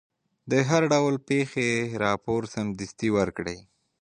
د هر ډول پېښې راپور سمدستي ورکړئ.